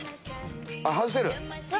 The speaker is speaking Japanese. あっ外せる。